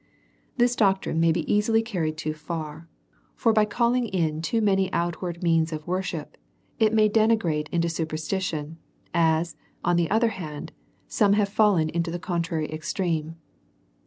Tills doctrine may be easily carried too far; for by calling in too many outward means of worship, it may degenerate into superstition ; as on the otlier hand, some have fallen into the contrary extreme.